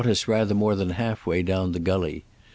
^35 us rather more than halfway down the gully.